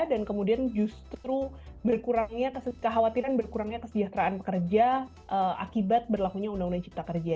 dan kemudian justru kekhawatiran berkurangnya kesejahteraan pekerja akibat berlakunya undang undang cipta kerja